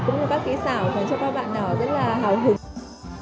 cũng như các kỹ xảo cho các bạn nào rất là hào hức